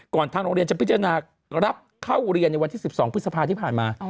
ทางโรงเรียนจะพิจารณารับเข้าเรียนในวันที่๑๒พฤษภาที่ผ่านมา